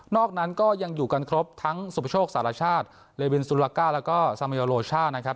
นอกนั้นก็ยังอยู่กันครบทั้งสุพโชคศาลชาติเรวินสุราก้าแล้วก็สามัยโลชานะครับ